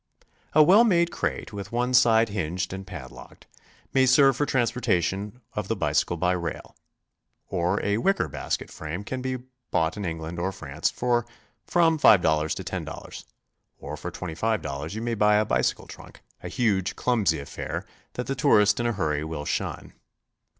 A well made crate, with one side hinged and padlocked, may serve for transportation of the bicycle by rail. Or a wicker basket frame can be bought in England or France for from $5 to $10. Or for $25 you may buy a bicycle trunk, a huge, clumsy affair that the tourist in a hurry will shun.